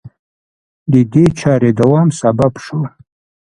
د دې چارې دوام سبب شو